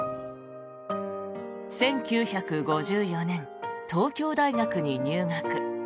１９５４年、東京大学に入学。